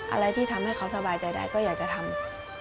อะไรที่ทำให้เขาสบายใจได้ก็อยากจะทำ